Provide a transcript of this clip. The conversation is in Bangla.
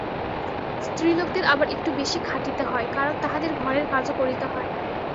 স্ত্রীলোকদের আবার একটু বেশী খাটিতে হয়, কারণ তাহাদের ঘরের কাজও করিতে হয়।